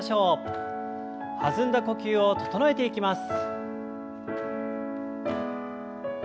弾んだ呼吸を整えていきます。